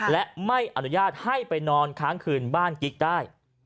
และไม่อนุญาตให้ไปนอนค้างคืนบ้านกิ๊กได้